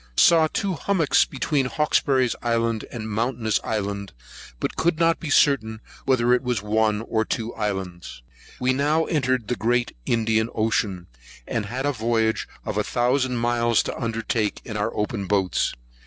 Saw Two Hummock between Hawkesbury's Island and Mountainous Island; but could not be certain whether it was one or two islands. We now entered the great Indian ocean, and had a voyage of a thousand miles to undertake in our open boats.